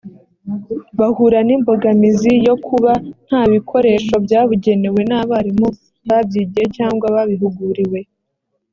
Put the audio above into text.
bahura n imbogamizi yo kuba nta bikoresho byabugenewe n abarimu babyigiye cyangwa babihuguriwe